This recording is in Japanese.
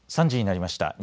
３時になりました。